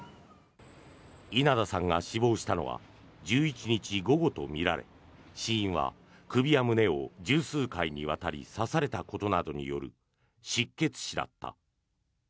稲田さんが死亡したのは１１日午後とみられ死因は首や胸を１０数回にわたり刺されたことなどによる失血死だった。